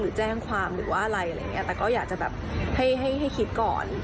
หรือแจ้งความหรือว่าอะไรแต่ก็อยากจะให้คิดก่อน